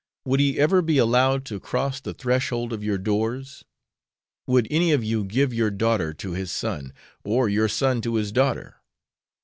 would he ever be allowed to cross the threshold of your doors? would any of you give your daughter to his son, or your son to his daughter?